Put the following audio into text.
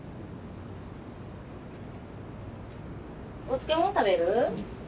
お漬物食べる？